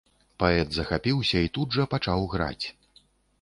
Паэт захапіўся і тут жа пачаў граць.